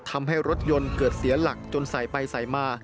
ทำให้รถยนต์เกิดเสียหลักจนสายไปสายมา